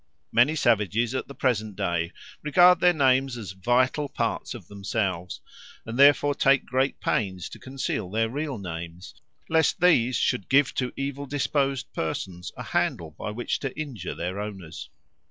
Many savages at the present day regard their names as vital parts of themselves, and therefore take great pains to conceal their real names, lest these should give to evil disposed persons a handle by which to injure their owners.